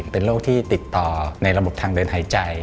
เป็นโรคที่ติดต่อในระบบทางเดินหายใจ